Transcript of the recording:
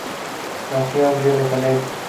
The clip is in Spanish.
Nació en Río de Janeiro.